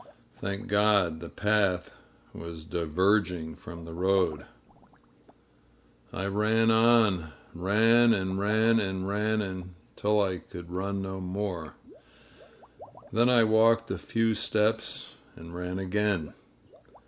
Thank God the path was diverging from the road ! I ran on — ran and ran and ran, until I could run no more. Then I walked a few steps and ran again.